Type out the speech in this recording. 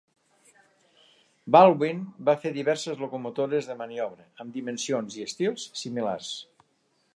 Baldwin va fer diverses locomotores de maniobra amb dimensions i estils similars.